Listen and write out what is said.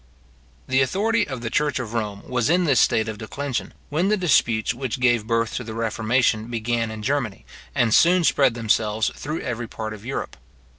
The authority of the church of Rome was in this state of declension, when the disputes which gave birth to the reformation began in Germany, and soon spread themselves through every part of Europe.